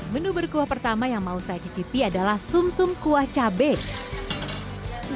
menu berkuah pertama yang mau saya cicipi adalah sum sum kuah cabai